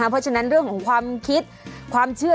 เพราะฉะนั้นเรื่องของความคิดความเชื่อ